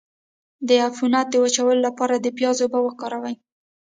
د عفونت د وچولو لپاره د پیاز اوبه وکاروئ